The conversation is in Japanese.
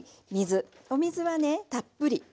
お水はねたっぷり。